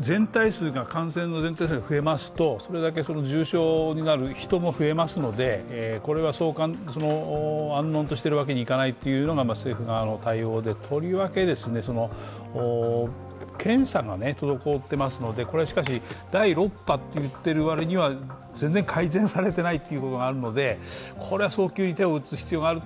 全体の感染数が増えますと、それだけ重症になる人も増えますので、安穏としているわけにはいかないというのが政府側の対応で、とりわけ検査が滞っていますので、しかし第６波といってるわりには全然改善されていないという部分があるのでこれは早急に手を打つ必要がある。